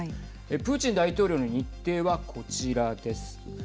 プーチン大統領の日程はこちらです。